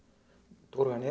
ところがね